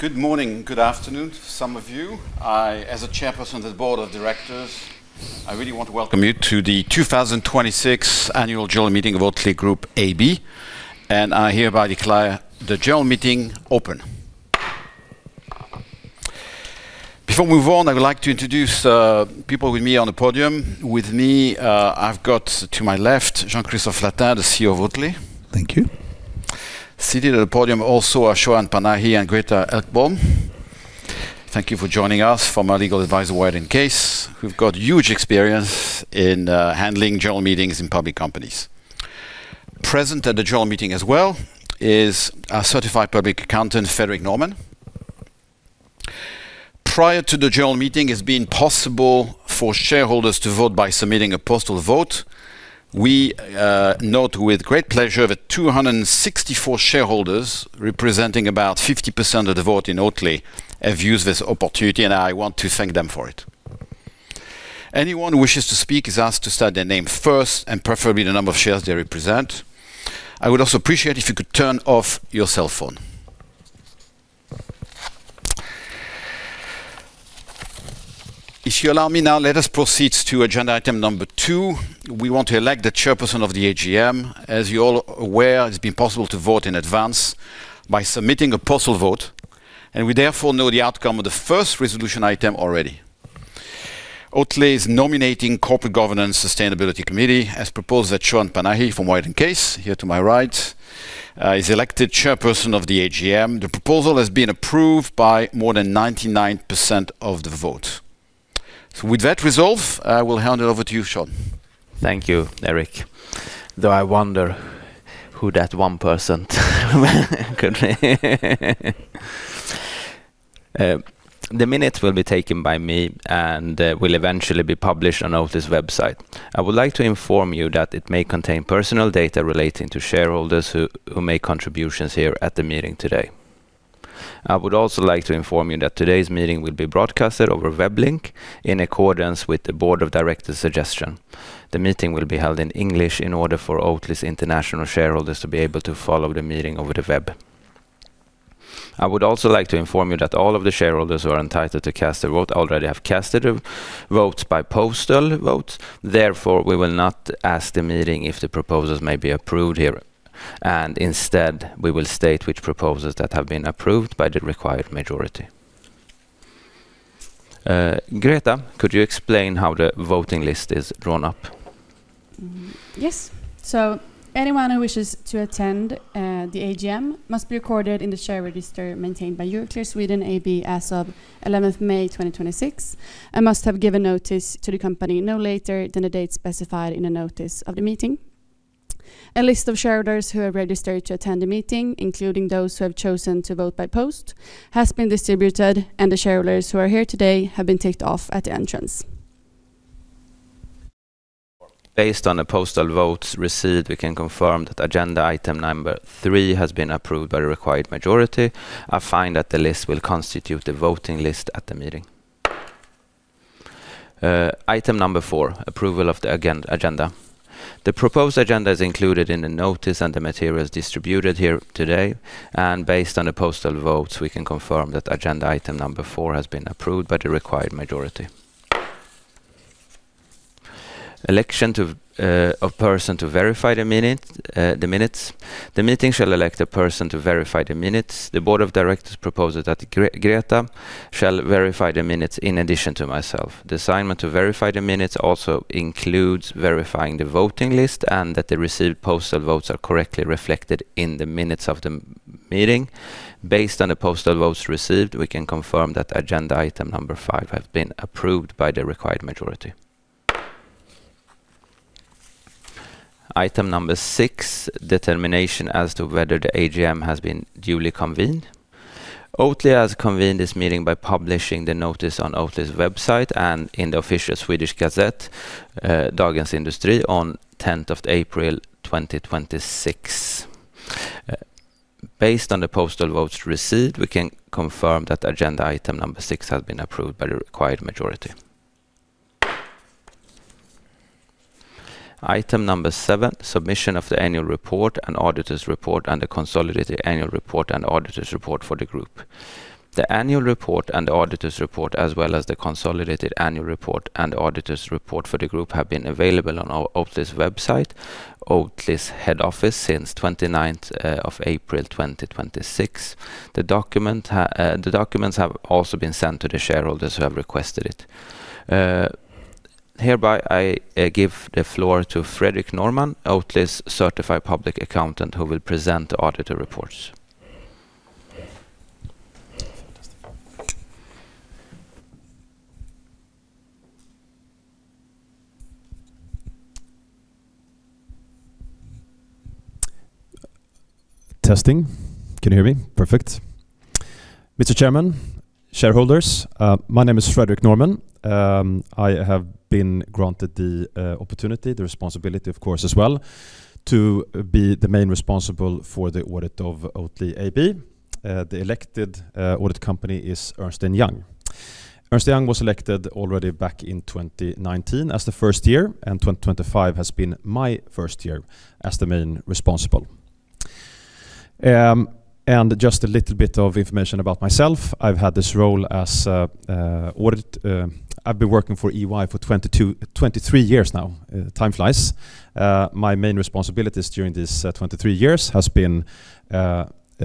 Good morning. Good afternoon to some of you. As Chairperson of the Board of Directors, I really want to welcome you to the 2026 Annual General Meeting of Oatly Group AB, and I hereby declare the general meeting open. Before we move on, I would like to introduce people with me on the podium. With me, I've got to my left Jean-Christophe Flatin, the CEO of Oatly. Thank you. Seated at the podium also are Shoan Panahi and Greta Ekblom. Thank you for joining us from our legal advisor, White & Case, who've got huge experience in handling general meetings in public companies. Present at the general meeting as well is our Certified Public Accountant, Fredrik Norman. Prior to the general meeting, it's been possible for shareholders to vote by submitting a postal vote. We note with great pleasure that 264 shareholders, representing about 50% of the vote in Oatly, have used this opportunity, and I want to thank them for it. Anyone who wishes to speak is asked to state their name first and preferably the number of shares they represent. I would also appreciate if you could turn off your cell phone. If you allow me now, let us proceed to agenda item number two. We want to elect the chairperson of the AGM. As you're all aware, it's been possible to vote in advance by submitting a postal vote, and we therefore know the outcome of the first resolution item already. Oatly's Nominating, Corporate Governance and Sustainability Committee has proposed that Shoan Panahi from White & Case, here to my right, is elected Chairperson of the AGM. The proposal has been approved by more than 99% of the vote. With that resolve, I will hand it over to you, Shoan. Thank you, Eric. I wonder who that one person could be. The minutes will be taken by me and will eventually be published on Oatly's website. I would like to inform you that it may contain personal data relating to shareholders who make contributions here at the meeting today. I would also like to inform you that today's meeting will be broadcasted over web link in accordance with the Board of Directors' suggestion. The meeting will be held in English in order for Oatly's international shareholders to be able to follow the meeting over the web. I would also like to inform you that all of the shareholders who are entitled to cast a vote already have cast their votes by postal vote. Therefore, we will not ask the meeting if the proposals may be approved here, and instead, we will state which proposals that have been approved by the required majority. Greta, could you explain how the voting list is drawn up? Yes. Anyone who wishes to attend the AGM must be recorded in the share register maintained by Euroclear Sweden AB as of May 11th, 2026, and must have given notice to the company no later than the date specified in the notice of the meeting. A list of shareholders who have registered to attend the meeting, including those who have chosen to vote by post, has been distributed, and the shareholders who are here today have been ticked off at the entrance. Based on the postal votes received, we can confirm that agenda item number three has been approved by the required majority. I find that the list will constitute the voting list at the meeting. Item number four, approval of the agenda. The proposed agenda is included in the notice and the materials distributed here today, and based on the postal votes, we can confirm that agenda item number four has been approved by the required majority. Election to a person to verify the minutes. The meeting shall elect a person to verify the minutes. The Board of Directors proposes that Greta shall verify the minutes in addition to myself. The assignment to verify the minutes also includes verifying the voting list and that the received postal votes are correctly reflected in the minutes of the meeting. Based on the postal votes received, we can confirm that agenda item number five has been approved by the required majority. Item number six, determination as to whether the AGM has been duly convened. Oatly has convened this meeting by publishing the notice on Oatly's website and in the official Swedish gazette, Dagens Industri, on April 10th, 2026. Based on the postal votes received, we can confirm that agenda item number six has been approved by the required majority. Item number seven, submission of the annual report and auditors' report and the consolidated annual report and auditors' report for the group. The annual report and the auditors' report, as well as the consolidated annual report and the auditors' report for the group, have been available on Oatly's website, Oatly's head office since April 29th, 2026. The documents have also been sent to the shareholders who have requested it. Hereby, I give the floor to Fredrik Norman, Oatly's Certified Public Accountant, who will present the auditor reports. Mr. Chairman, shareholders, my name is Fredrik Norman. I have been granted the opportunity, the responsibility, of course, as well, to be the main responsible for the audit of Oatly AB. The elected audit company is Ernst & Young. Ernst & Young was selected already back in 2019 as the first year, and 2025 has been my first year as the main responsible. Just a little bit of information about myself. I've had this role as I've been working for EY for 23 years now. Time flies. My main responsibilities during these 23 years has been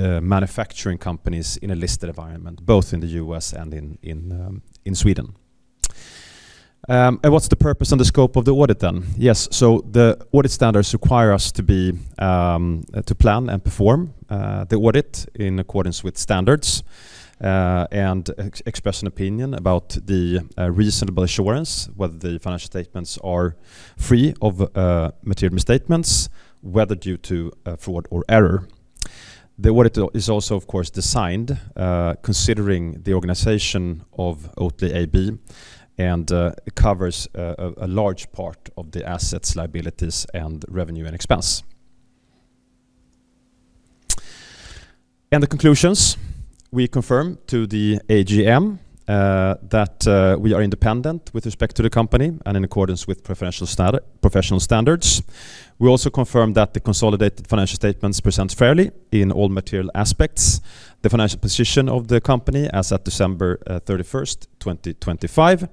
manufacturing companies in a listed environment, both in the U.S. and in Sweden. What's the purpose and the scope of the audit then? The audit standards require us to be to plan and perform the audit in accordance with standards and express an opinion about the reasonable assurance whether the financial statements are free of material misstatements, whether due to fraud or error. The audit is also of course designed considering the organization of Oatly AB and covers a large part of the assets, liabilities, and revenue and expense. The conclusions, we confirm to the AGM that we are independent with respect to the company and in accordance with professional standards. We also confirm that the consolidated financial statements presents fairly in all material aspects the financial position of the company as at December 31st, 2025,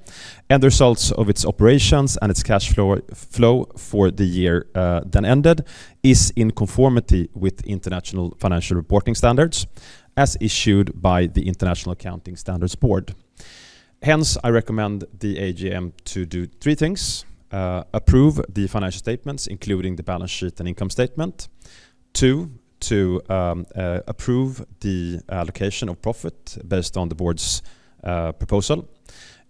and the results of its operations and its cash flow for the year then ended is in conformity with International Financial Reporting Standards as issued by the International Accounting Standards Board. I recommend the AGM to do three things: approve the financial statements, including the balance sheet and income statement. Two, to approve the allocation of profit based on the Board's proposal,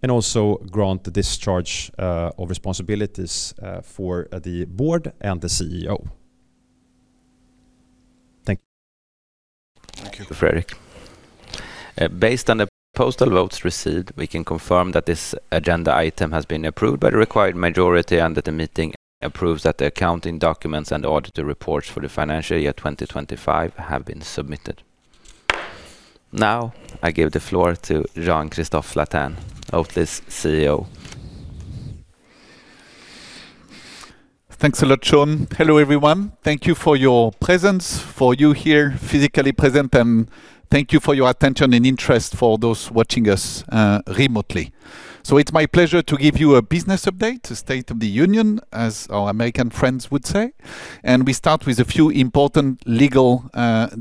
and also grant the discharge of responsibilities for the Board and the CEO. Thank you. Thank you, Fredrik. Based on the postal votes received, we can confirm that this agenda item has been approved by the required majority and that the meeting approves that the accounting documents and auditor reports for the financial year 2025 have been submitted. Now, I give the floor to Jean-Christophe Flatin, Oatly's CEO. Thanks a lot, Jean. Hello, everyone. Thank you for your presence, for you here physically present, and thank you for your attention and interest for those watching us remotely. It's my pleasure to give you a business update, a State of the Union, as our American friends would say, and we start with a few important legal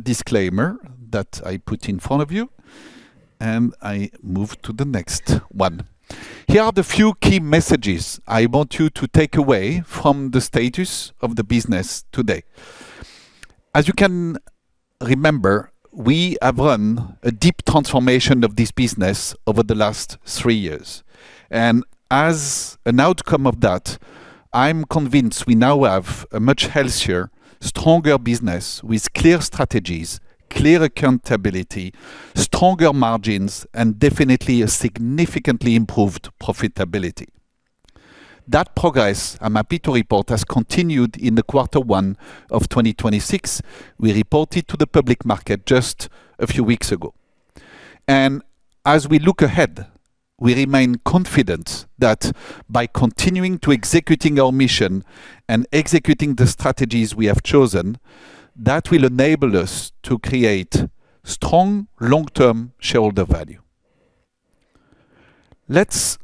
disclaimer that I put in front of you, and I move to the next one. Here are the few key messages I want you to take away from the status of the business today. As you can remember, we have run a deep transformation of this business over the last three years, and as an outcome of that, I'm convinced we now have a much healthier, stronger business with clear strategies, clear accountability, stronger margins, and definitely a significantly improved profitability. That progress, I'm happy to report, has continued in the quarter one of 2026. We reported to the public market just a few weeks ago. As we look ahead, we remain confident that by continuing to executing our mission and executing the strategies we have chosen, that will enable us to create strong, long-term shareholder value. Let's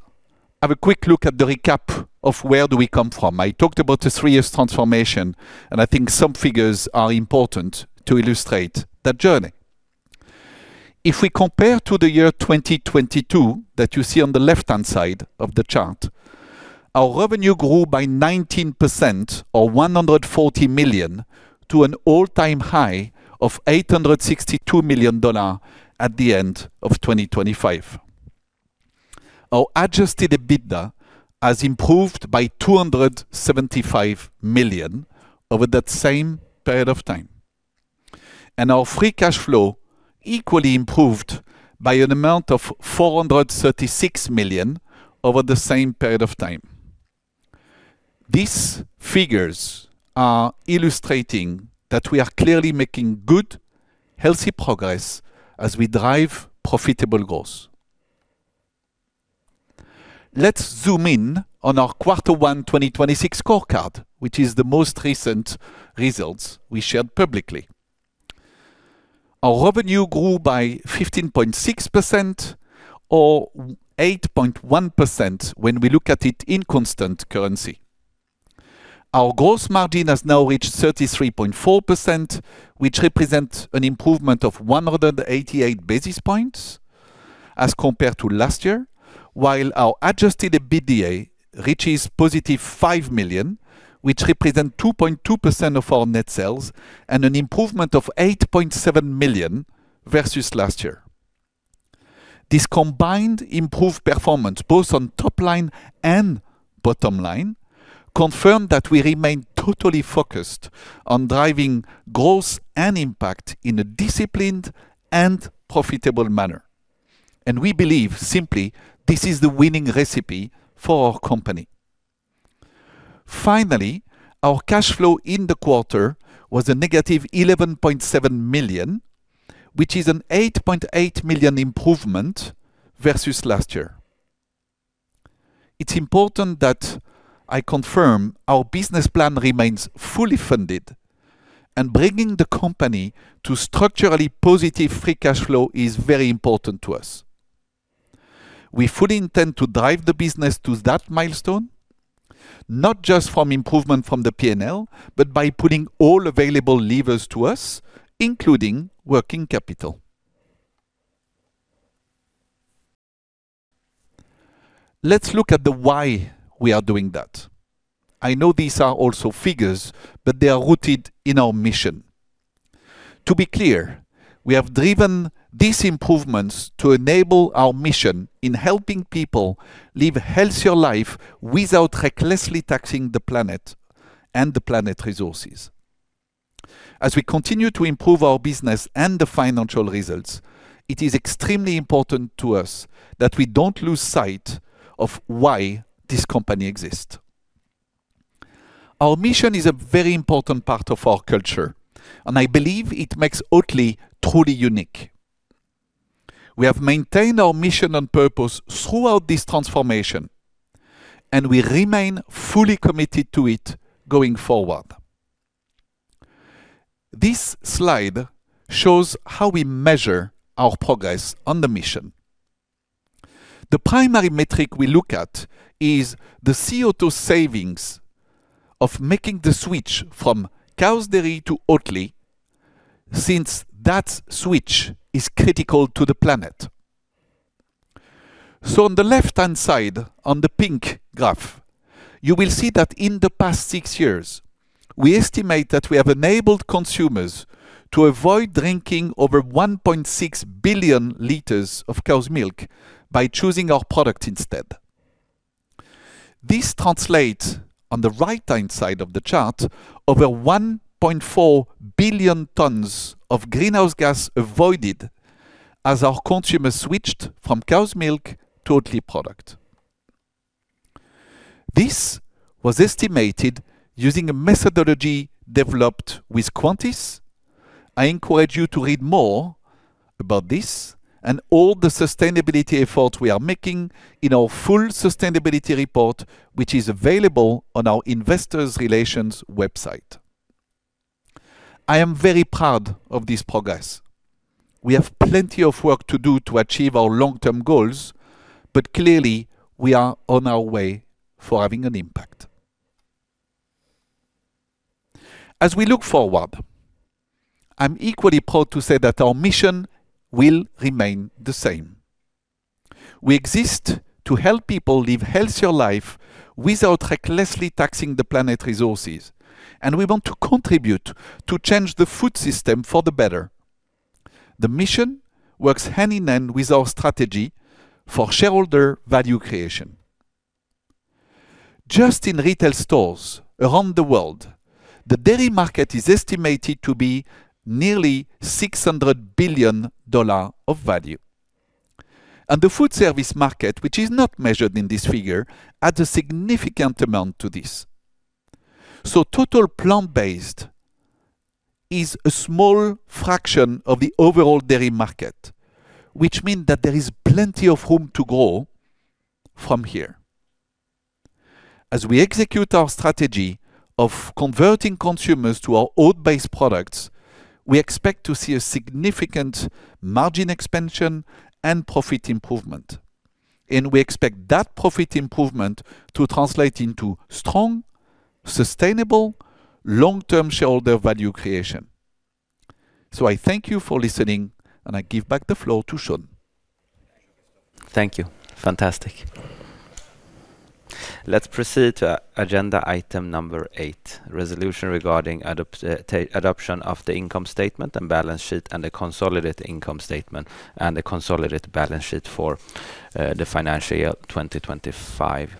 have a quick look at the recap of where do we come from. I talked about the three years transformation, and I think some figures are important to illustrate that journey. If we compare to the year 2022 that you see on the left-hand side of the chart, our revenue grew by 19% or $140 million to an all-time high of $862 million at the end of 2025. Our adjusted EBITDA has improved by 275 million over that same period of time. Our free cash flow equally improved by an amount of 436 million over the same period of time. These figures are illustrating that we are clearly making good, healthy progress as we drive profitable growth. Let's zoom in on our quarter one 2026 scorecard, which is the most recent results we shared publicly. Our revenue grew by 15.6% or 8.1% when we look at it in constant currency. Our gross margin has now reached 33.4%, which represents an improvement of 188 basis points as compared to last year, while our adjusted EBITDA reaches +5 million, which represent 2.2% of our net sales and an improvement of 8.7 million versus last year. This combined improved performance, both on top line and bottom line, confirm that we remain totally focused on driving growth and impact in a disciplined and profitable manner. We believe simply this is the winning recipe for our company. Finally, our cash flow in the quarter was a -11.7 million, which is an 8.8 million improvement versus last year. It's important that I confirm our business plan remains fully funded. Bringing the company to structurally positive free cash flow is very important to us. We fully intend to drive the business to that milestone, not just from improvement from the P&L, but by putting all available levers to us, including working capital. Let's look at the why we are doing that. I know these are also figures, but they are rooted in our mission. To be clear, we have driven these improvements to enable our mission in helping people live a healthier life without recklessly taxing the planet and the planet resources. As we continue to improve our business and the financial results, it is extremely important to us that we don't lose sight of why this company exists. Our mission is a very important part of our culture, and I believe it makes Oatly truly unique. We have maintained our mission and purpose throughout this transformation, and we remain fully committed to it going forward. This slide shows how we measure our progress on the mission. The primary metric we look at is the CO2 savings of making the switch from cow's dairy to Oatly, since that switch is critical to the planet. On the left-hand side on the pink graph, you will see that in the past six years, we estimate that we have enabled consumers to avoid drinking over 1.6 billion liters of cow's milk by choosing our product instead. This translates on the right-hand side of the chart, over 1.4 billion tons of greenhouse gas avoided as our consumers switched from cow's milk to Oatly product. This was estimated using a methodology developed with Quantis. I encourage you to read more about this and all the sustainability efforts we are making in our full sustainability report, which is available on our investor relations website. I am very proud of this progress. We have plenty of work to do to achieve our long-term goals, but clearly we are on our way for having an impact. As we look forward, I'm equally proud to say that our mission will remain the same. We exist to help people live healthier life without recklessly taxing the planet resources, and we want to contribute to change the food system for the better. The mission works hand in hand with our strategy for shareholder value creation. Just in retail stores around the world, the dairy market is estimated to be nearly $600 billion of value. The food service market, which is not measured in this figure, adds a significant amount to this. Total plant-based is a small fraction of the overall dairy market, which mean that there is plenty of room to grow from here. As we execute our strategy of converting consumers to our oat-based products, we expect to see a significant margin expansion and profit improvement. We expect that profit improvement to translate into strong, sustainable, long-term shareholder value creation. I thank you for listening, and I give back the floor to Shoan. Thank you, fantastic. Let's proceed to agenda item number eight, resolution regarding adoption of the income statement and balance sheet and the consolidated income statement and the consolidated balance sheet for the financial year 2025.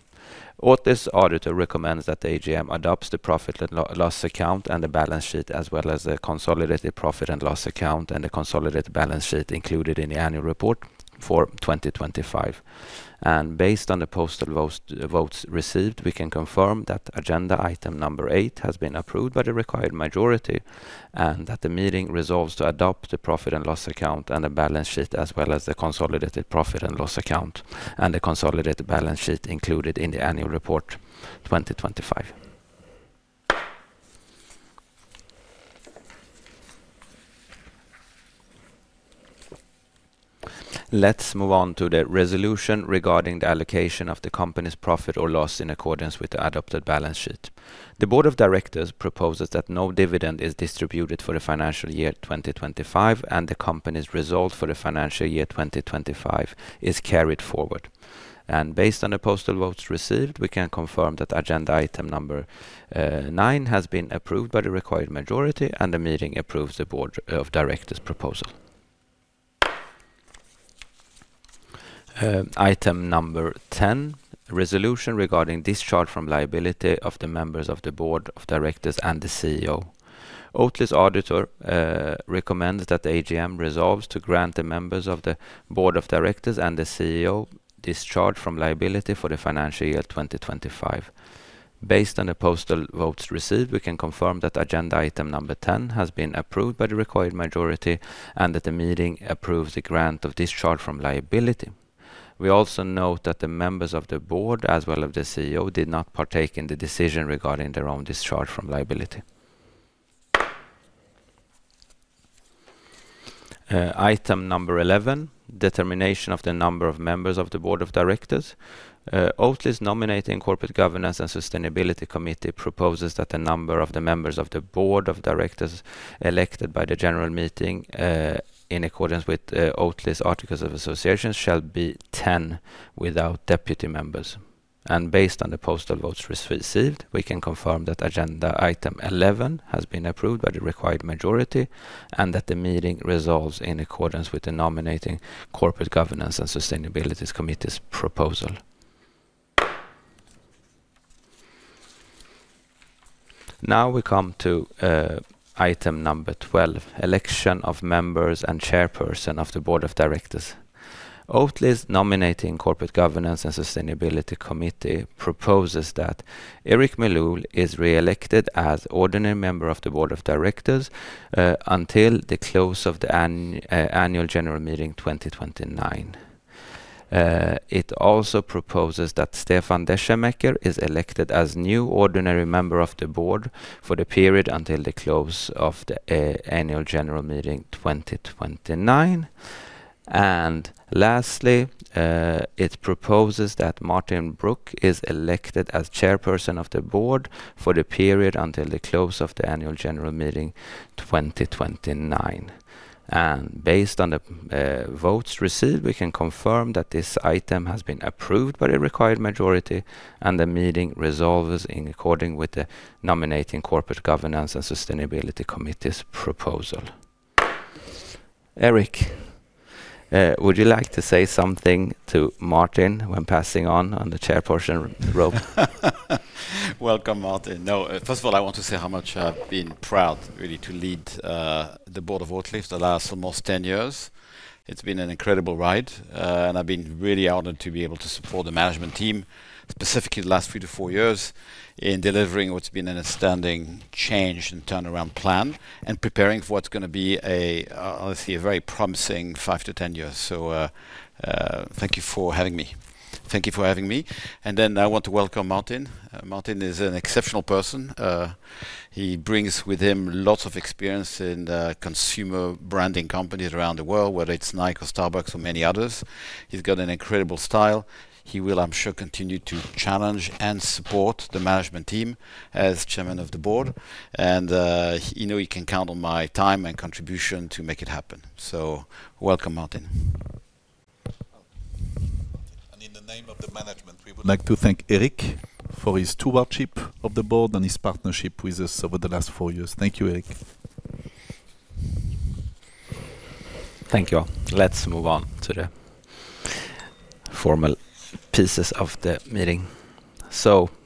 Oatly's auditor recommends that the AGM adopts the profit and loss account and the balance sheet as well as the consolidated profit and loss account and the consolidated balance sheet included in the annual report for 2025. Based on the postal votes received, we can confirm that agenda item number eight has been approved by the required majority, and that the meeting resolves to adopt the profit and loss account and the balance sheet as well as the consolidated profit and loss account and the consolidated balance sheet included in the annual report 2025. Let's move on to the resolution regarding the allocation of the company's profit or loss in accordance with the adopted balance sheet. The Board of Directors proposes that no dividend is distributed for the financial year 2025, and the company's result for the financial year 2025 is carried forward. Based on the postal votes received, we can confirm that agenda item number nine has been approved by the required majority, and the meeting approves the Board of Directors' proposal. Item number 10, resolution regarding discharge from liability of the members of the Board of Directors and the CEO. Oatly's auditor recommends that the AGM resolves to grant the members of the Board of Directors and the CEO discharge from liability for the financial year 2025. Based on the postal votes received, we can confirm that agenda item number 10 has been approved by the required majority and that the meeting approves the grant of discharge from liability. We also note that the members of the Board, as well as the CEO, did not partake in the decision regarding their own discharge from liability. Item number 11, determination of the number of members of the Board of Directors. Oatly's Nominating, Corporate Governance and Sustainability Committee proposes that the number of the members of the Board of Directors elected by the general meeting, in accordance with Oatly's articles of association shall be 10 without deputy members. Based on the postal votes received, we can confirm that agenda item 11 has been approved by the required majority and that the meeting resolves in accordance with the Nominating, Corporate Governance and Sustainability Committee's proposal. Now we come to item number 12, election of members and chairperson of the board of directors. Oatly's Nominating, Corporate Governance and Sustainability Committee proposes that Eric Melloul is reelected as ordinary member of the board of directors until the close of the annual general meeting 2029. Lastly, it also proposes that Stefan Descheemaeker is elected as new ordinary member of the board for the period until the close of the Annual General Meeting 2029. Lastly, it proposes that Martin Brok is elected as chairperson of the board for the period until the close of the Annual General Meeting 2029. Based on the votes received, we can confirm that this item has been approved by the required majority and the meeting resolves in according with the Nominating, Corporate Governance and Sustainability Committee's proposal. Eric, would you like to say something to Martin when passing on the chairperson robe? Welcome, Martin. First of all, I want to say how much I've been proud really to lead the board of Oatly for the last almost 10 years. It's been an incredible ride. I've been really honored to be able to support the management team, specifically the last three to four years, in delivering what's been an outstanding change and turnaround plan and preparing for what's gonna be a obviously a very promising 5-10 years. Thank you for having me. Thank you for having me. I want to welcome Martin. Martin is an exceptional person. He brings with him lots of experience in the consumer branding companies around the world, whether it's Nike or Starbucks or many others. He's got an incredible style. He will, I'm sure, continue to challenge and support the management team as Chairman of the Board and he know he can count on my time and contribution to make it happen. Welcome, Martin. In the name of the management, we would like to thank Eric for his stewardship of the Board and his partnership with us over the last four years. Thank you, Eric. Thank you all. Let's move on to the formal pieces of the meeting.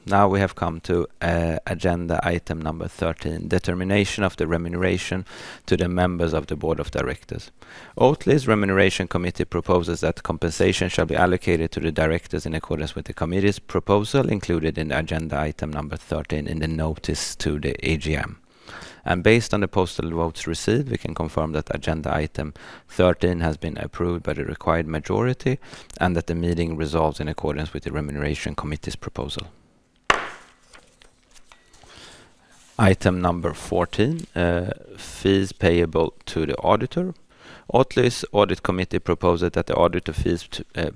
Now we have come to agenda item number 13, determination of the remuneration to the members of the Board of Directors. Oatly's Remuneration Committee proposes that compensation shall be allocated to the directors in accordance with the Committee's proposal included in agenda item number 13 in the notice to the AGM. Based on the postal votes received, we can confirm that agenda item 13 has been approved by the required majority and that the meeting resolves in accordance with the Remuneration Committee's proposal. Item number 14, fees payable to the auditor. Oatly's Audit Committee proposes that the auditor fees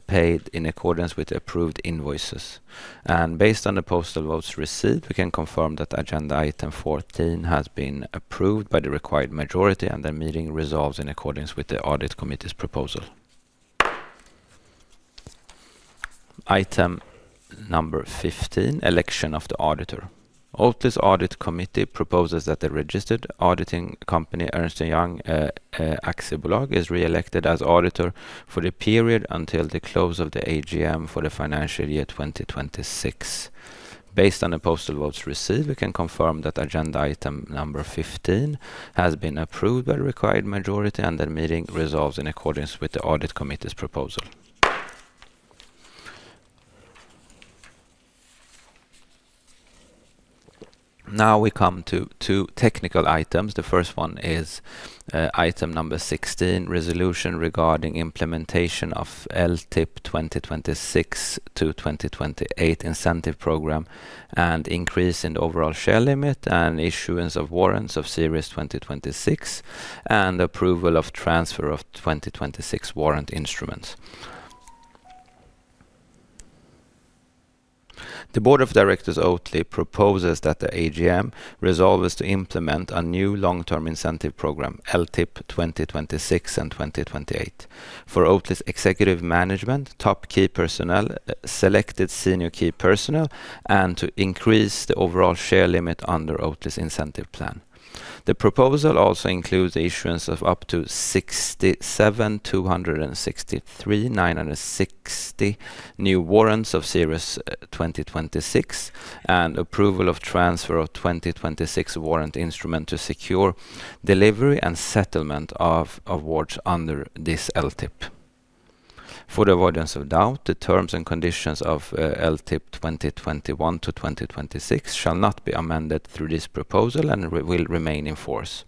paid in accordance with the approved invoices. Based on the postal votes received, we can confirm that agenda item 14 has been approved by the required majority and the meeting resolves in accordance with the Audit Committee's proposal. Item number 15, election of the auditor. Oatly's Audit Committee proposes that the registered auditing company, Ernst & Young Aktiebolag, is reelected as auditor for the period until the close of the AGM for the financial year 2026. Based on the postal votes received, we can confirm that agenda item number 15 has been approved by the required majority and the meeting resolves in accordance with the Audit Committee's proposal. We come to two technical items. The first one is item number 16, resolution regarding implementation of LTIP 2026–2028 incentive program and increase in overall share limit and issuance of Warrants of Series 2026 and approval of transfer of 2026 warrant instruments. The board of directors of Oatly proposes that the AGM resolves to implement a new long-term incentive program, LTIP 2026 and 2028, for Oatly’s executive management, top key personnel, selected senior key personnel, and to increase the overall share limit under the Oatly Incentive Plan. The proposal also includes the issuance of up to 67,263 thousand 960 new Warrants of Series 2026 and approval of transfer of 2026 warrant instrument to secure delivery and settlement of awards under this LTIP. For the avoidance of doubt, the terms and conditions of LTIP 2021-2026 shall not be amended through this proposal and will remain in force.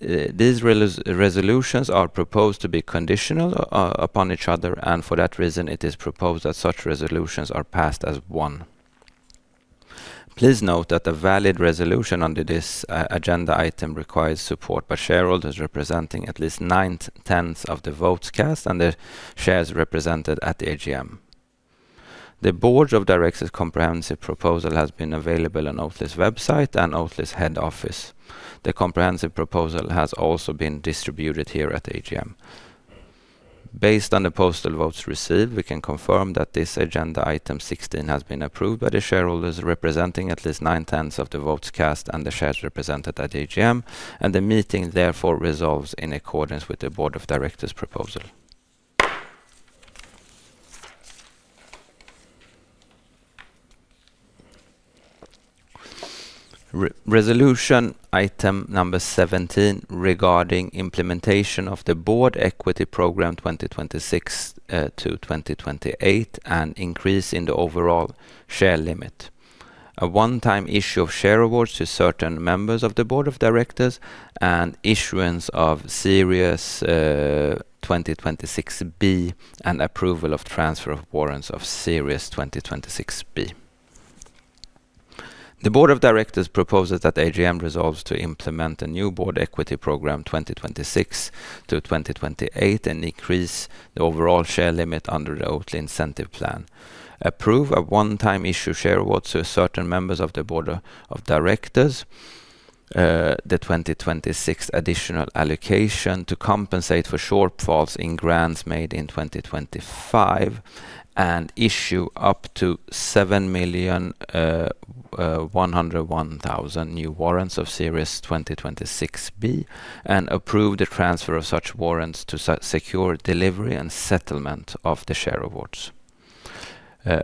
These resolutions are proposed to be conditional upon each other, and for that reason, it is proposed that such resolutions are passed as one. Please note that a valid resolution under this agenda item requires support by shareholders representing at least 9/10 of the votes cast and the shares represented at the AGM. The Board of Directors' comprehensive proposal has been available on Oatly's website and Oatly's head office. The comprehensive proposal has also been distributed here at the AGM. Based on the postal votes received, we can confirm that this agenda item 16 has been approved by the shareholders representing at least 9/10 of the votes cast and the shares represented at the AGM, and the meeting therefore resolves in accordance with the Board of Directors' proposal. Re-resolution item number 17 regarding implementation of the Board Equity Program 2026–2028, an increase in the overall share limit. A one-time issue of share awards to certain members of the Board of Directors and issuance of Series 2026-B Warrants and approval of transfer of Series 2026-B Warrants. The Board of Directors proposes that the AGM resolves to implement a new Board Equity Program 2026–2028 and increase the overall share limit under the Oatly Incentive Plan. Approve a one-time issue share awards to certain members of the Board of Directors, the 2026 additional allocation to compensate for shortfalls in grants made in 2025 and issue up to 7 million 101,000 new Series 2026-B Warrants and approve the transfer of such warrants to secure delivery and settlement of the share awards.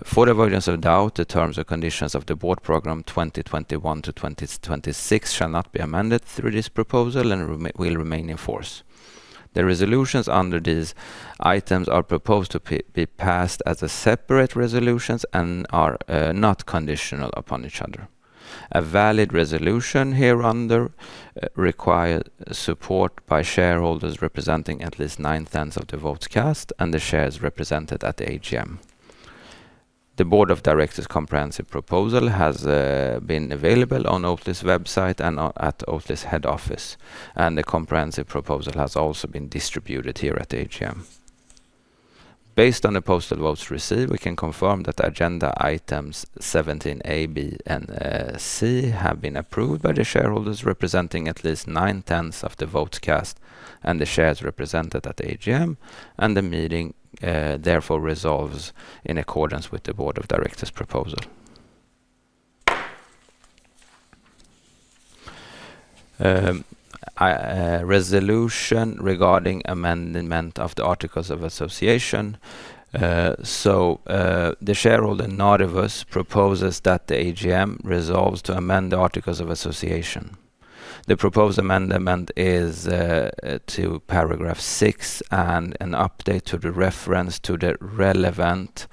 For the avoidance of doubt, the terms and conditions of the Board Program 2021–2026 shall not be amended through this proposal and will remain in force. The resolutions under these items are proposed to be passed as separate resolutions and are not conditional upon each other. A valid resolution hereunder require support by shareholders representing at least 9/10 of the votes cast and the shares represented at the AGM. The Board of Directors' comprehensive proposal has been available on Oatly's website and at Oatly's head office. The comprehensive proposal has also been distributed here at the AGM. Based on the postal votes received, we can confirm that agenda items 17 A, B, and C have been approved by the shareholders representing at least 9/10 of the votes cast and the shares represented at the AGM, and the meeting therefore resolves in accordance with the Board of Directors' proposal. Resolution regarding amendment of the Articles of Association. The shareholder Nordea Life proposes that the AGM resolves to amend the Articles of Association. The proposed amendment is to paragraph six and an update to the reference to the relevant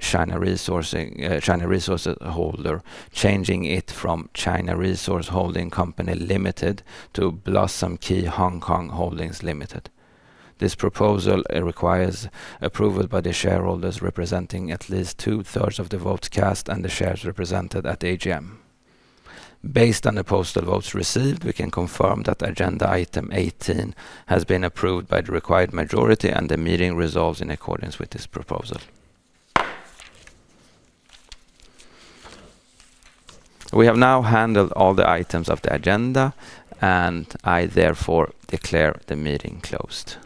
China Resources, China Resources H-Holder, changing it from China Resources (Holdings) Company Limited to Blossom Key (Hong Kong) Holdings Limited. This proposal requires approval by the shareholders representing at least 2/3 of the votes cast and the shares represented at the AGM. Based on the postal votes received, we can confirm that agenda item 18 has been approved by the required majority and the meeting resolves in accordance with this proposal. We have now handled all the items of the agenda, and I therefore declare the meeting closed.